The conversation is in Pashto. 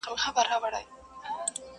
زما په لستوڼي کي ښامار لوی که؛